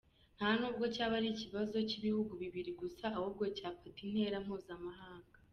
Ntanubwo cyaba ikibazo kibihugu bibiri gusa, ahubwo cyafata intera mpuzamahanga.